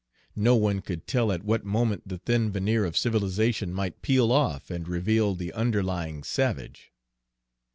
No one could tell at what moment the thin veneer of civilization might peel off and reveal the underlying savage.